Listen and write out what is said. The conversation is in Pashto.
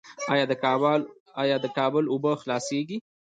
آیا د کابل اوبه خلاصیږي؟